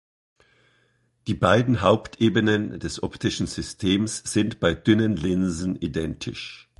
Die beiden Hauptebenen des optischen Systems sind bei dünnen Linsen identisch.